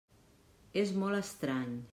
És molt estrany.